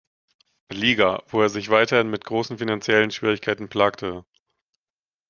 Liga, wo er sich weiterhin mit großen finanziellen Schwierigkeiten plagte.